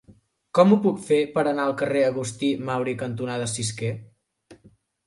Com ho puc fer per anar al carrer Agustí Mauri cantonada Cisquer?